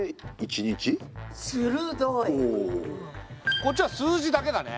こっちは数字だけだね。